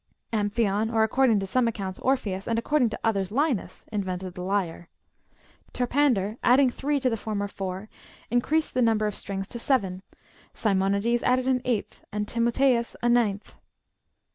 ^ Am phion, or, according to some accounts, Orpheus, and according to others, Linus, invented the lyre.^^ Torpander, adding throe to the former four, increased the number of strings to seven ; Simonides added an eighth, and Timotlieus a ninth.